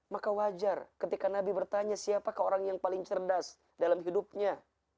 maka wajar ketika nabi bertanya siapakah orang yang paling cerdas dalam hidupnya